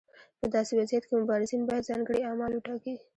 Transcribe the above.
په داسې وضعیت کې مبارزین باید ځانګړي اعمال وټاکي.